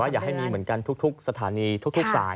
อยากให้มีเหมือนกันทุกสถานีทุกสาย